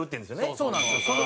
そうなんですよ。